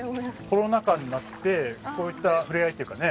コロナ禍になってこういったふれあいっていうかね